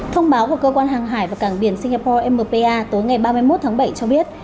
thông báo của cơ quan hàng hải và cảng biển singapore mpa tối ngày ba mươi một tháng bảy cho biết